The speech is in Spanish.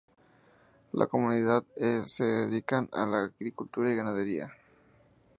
La comunidad e se dedican a la agricultura y ganadería.